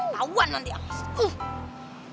tauan nanti angstuh